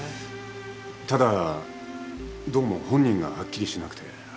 ただどうも本人がはっきりしなくて。